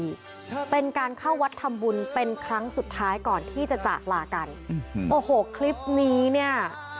การเข้าวัดธรรมบุญเป็นครั้งสุดท้ายก่อนที่จะจากลากันโอ้โหคลิปนี้เนี้ย